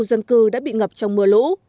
khu dân cư đã bị ngập trong mưa lũ